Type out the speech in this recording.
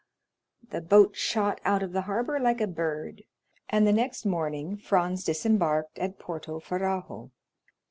The boat shot out of the harbor like a bird and the next morning Franz disembarked at Porto Ferrajo.